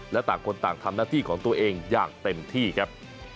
และต่างคนต่างทำหน้าที่ของตัวเองอย่างเต็มที่ครับ